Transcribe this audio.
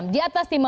di atas lima puluh